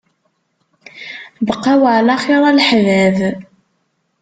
Bqaw ɛla xir a leḥbab.